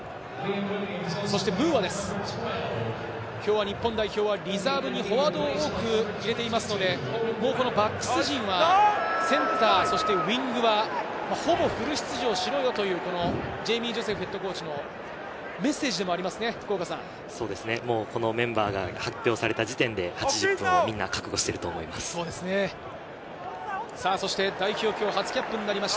今日は日本代表はリザーブにフォワードを多く入れていますので、バックス陣は、センター、そしてウイングは、ほぼフル出場しろよというジェイミー・ジョセフヘッドコーチのもうこのメンバーが発表された時点で８０分をみんな覚悟していると思います。